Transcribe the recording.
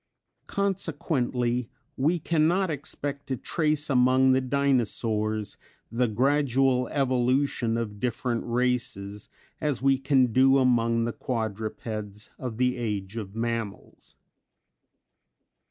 Consequently we cannot expect to trace among the Dinosaurs, the gradual evolution of different races, as we can do among the quadrupeds of the Age of Mammals.